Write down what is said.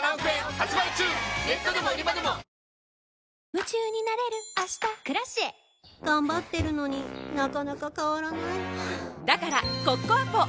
夢中になれる明日「Ｋｒａｃｉｅ」頑張ってるのになかなか変わらないはぁだからコッコアポ！